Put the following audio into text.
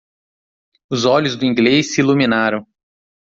Os olhos do inglês se iluminaram.